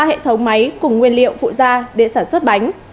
ba hệ thống máy cùng nguyên liệu phụ da để sản xuất bánh